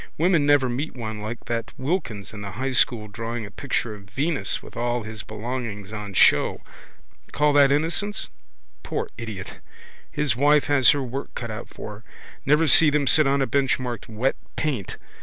Women never meet one like that Wilkins in the high school drawing a picture of Venus with all his belongings on show. Call that innocence? Poor idiot! His wife has her work cut out for her. Never see them sit on a bench marked Wet Paint.